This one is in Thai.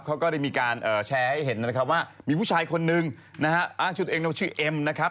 ก็ได้มีการแชร์ให้เห็นนะครับว่ามีผู้ชายคนนึงนะฮะอ้างชุดตัวเองว่าชื่อเอ็มนะครับ